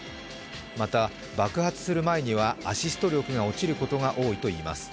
また、爆発する前にはアシスト力が落ちることが多いといいます。